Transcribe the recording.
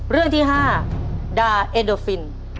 เรื่องที่๕ดาเอโดฟิน